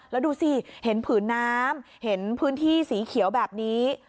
แล้วดูสิเห็นผืนน้ำเห็นพื้นที่สีเขียวแบบนี้